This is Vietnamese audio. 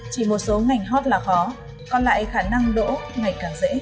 chỉ một số ngành hot là khó còn lại khả năng đỗ ngày càng dễ